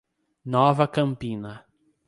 Nova Campina